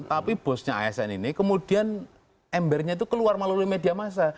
tapi bosnya asn ini kemudian embernya itu keluar melalui media massa